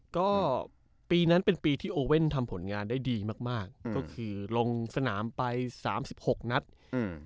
ก็ปีนั้นเป็นปีที่โอเว่นทำผลงานได้ดีมากมากก็คือลงสนามไปสามสิบหกนัดอืม